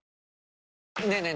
ねえねえ